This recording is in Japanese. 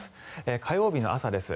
火曜日の朝です。